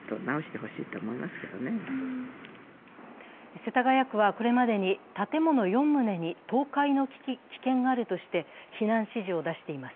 世田谷区は、これまでに建物４棟に倒壊の危険があるとして避難指示を出しています。